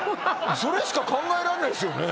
それしか考えらんないっすよね。